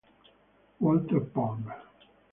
Walter Palmer